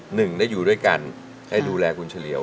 หนึ่งได้อยู่ด้วยกันให้ดูแลคุณเฉลี่ยว